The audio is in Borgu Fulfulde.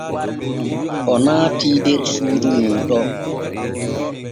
O naatii der suudu nuu ɗo.